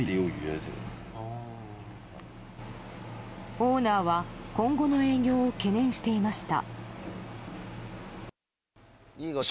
オーナーは今後の営業を懸念していました。